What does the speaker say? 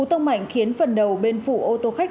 cú tông mạnh khiến phần đầu bên phủ ô tô khách